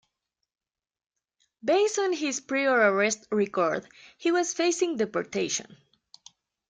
Based on his prior arrest record, he was facing deportation.